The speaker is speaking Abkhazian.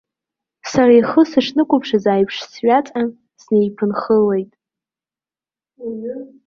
Сара ихы сышнықәԥшыз аиԥш сҩаҵҟьан, снеиԥынххылеит.